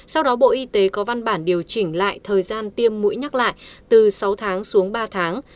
sau đó bộ y tế có văn bản điều chỉnh lại thời gian tiêm mũi nhắc lại từ sáu tháng xuống ba tháng